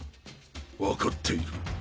分かっている。